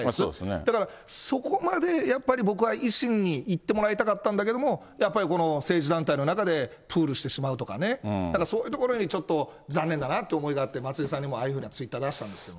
だからそこまでやっぱり僕は維新にいってもらいたかったんですけれども、やっぱりこの、政治団体の中でプールしてしまうとかね、だからそういうところにちょっと、残念だなって思いがあって、松井さんにもああいうふうなツイッター、出したんですけどね。